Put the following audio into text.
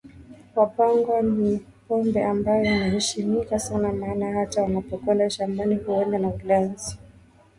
Wapangwa ni pombe ambayo inaheshimika sana maana hata wanapokwenda shambani huenda na ulanzi na